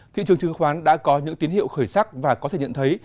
thị trường trứng khoán đã có những tiến hiệu khởi sắc và có thể nhận thấy